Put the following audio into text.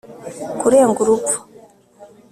kurenga urupfu